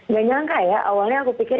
gak nyangka ya awalnya aku pikir